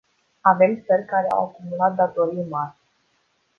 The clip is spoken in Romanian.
Avem țări care au acumulat datorii mari.